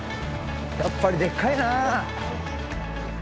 やっぱりでっかいなあ。